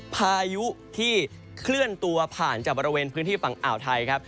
พายุที่เคลื่อนตัวผ่านจากบริเวณพื้นที่ฝั่งอ่าวไทยครับ